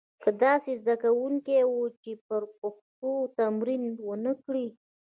کم داسې زده کوونکي وو چې پر پوښتنو تمرین ونه کړي.